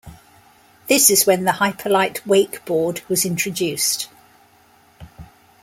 This is when the Hyperlite wakeboard was introduced.